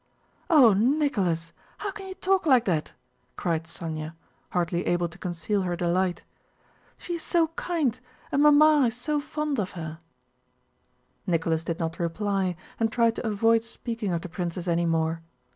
"Oh, Nicholas, how can you talk like that?" cried Sónya, hardly able to conceal her delight. "She is so kind and Mamma is so fond of her!" Nicholas did not reply and tried to avoid speaking of the princess any more.